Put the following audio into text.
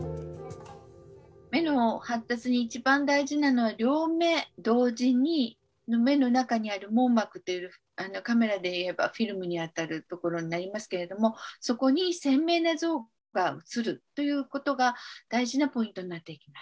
目の発達に一番大事なのは両目同時に目の中にある網膜っていうカメラでいえばフィルムに当たるところになりますけれどもそこに鮮明な像がうつるということが大事なポイントになっていきます。